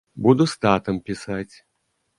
Буду з татам пісаць.